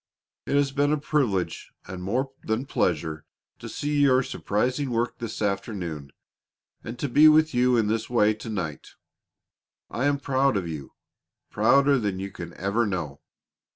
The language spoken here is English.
"It it has been a privilege and more than pleasure to see your surprising work this afternoon and to be with you in this way to night. I am proud of you prouder than you can ever know.